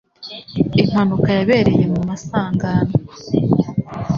Impanuka yabereye mu masangan